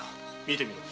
見てみろ。